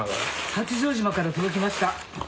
八丈島から届きました。